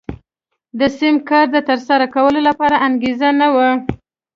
د سم کار د ترسره کولو لپاره انګېزه نه وه.